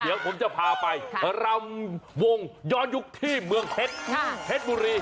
เดี๋ยวผมจะพาไปรำวงย้อนยุคที่เมืองเพชรเพชรบุรี